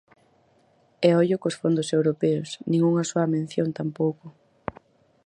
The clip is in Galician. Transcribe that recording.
E ollo cos fondos europeos, nin unha soa mención tampouco.